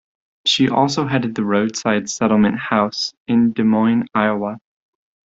She also headed the Roadside Settlement House, in Des Moines, Iowa.